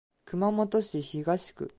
熊本市東区